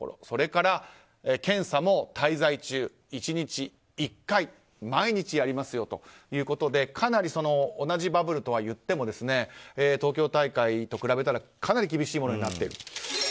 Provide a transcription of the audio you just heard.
それから、検査も滞在中１日１回毎日やりますよということでかなり同じバブルとはいっても東京大会と比べるとかなり厳しいものになっている。